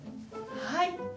はい！